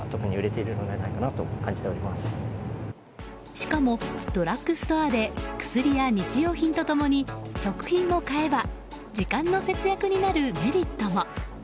しかも、ドラッグストアで薬や日用品と共に食品も買えば時間の節約になるメリットも。